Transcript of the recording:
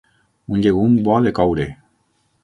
Un llegum bo de coure.